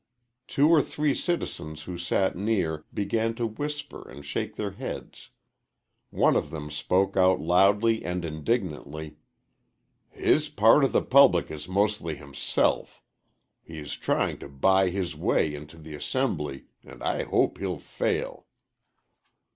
Two or three citizens who sat near began to whisper and shake their heads. One of them spoke out loudly and indignantly; "His part of the public is mostly himself. He is trying to buy his way into the Assembly, and I hope he'll fail."